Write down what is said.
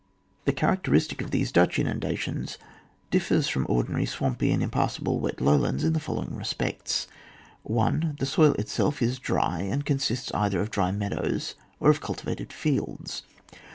The character of these Dutch inunda tions differs from ordinary swampy and impassable wet low lands in the following respects :— 1. The soil itself is dry and consists either of dry meadows or of cultivated fields.